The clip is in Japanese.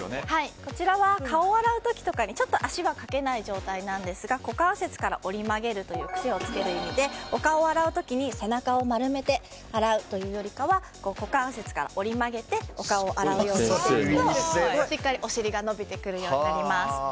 こちらは顔を洗う時とか足はかけない状態ですが股関節から折り曲げるという癖をつける意味でお顔を洗う時に背中を丸めて洗うというよりかは股関節から折り曲げてお顔を洗うとしっかり、お尻が伸びてくるようになります。